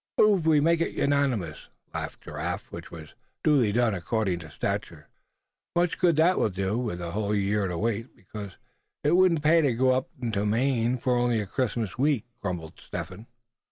"Move we make it unanimous," laughed Giraffe, which was duly done according to statute. "Much good that will do, with a whole year to wait, because it wouldn't pay to go up into Maine for only Christmas week," grumbled Step Hen.